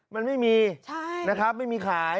มันไม่มีนะครับไม่มีขาย